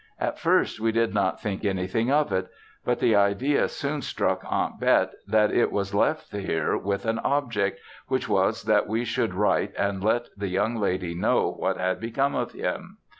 At first we did not think anything of it; but the idea soon struck Aunt Bet that it was left here with an object, which was that we should write and let the young lady know what had become of him.